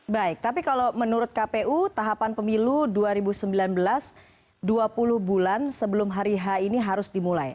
baik tapi kalau menurut kpu tahapan pemilu dua ribu sembilan belas dua puluh bulan sebelum hari h ini harus dimulai